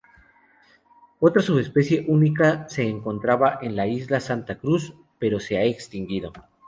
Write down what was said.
Otra subespecie única se encontraba en la Isla Santa Cruz, pero se ha extinguido.